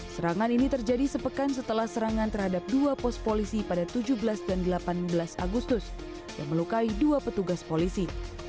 serangan ini terjadi sepekan setelah serangan terhadap dua pos polisi pada tujuh belas dan delapan belas agustus yang melukai dua petugas polisi